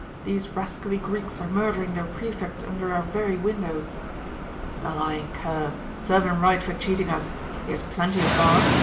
These rascally Greeks are murdering their Prefect under our very windows.' 'The lying cur! Serve him right for cheating us. He has plenty of guards.